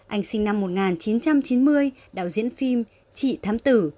anh sinh năm một nghìn chín trăm chín mươi đạo diễn phim chị thám tử